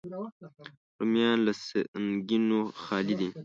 رومیان له سنګینیو خالي دي